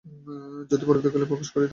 যদি পরবর্তীতে প্রকাশ করি তো?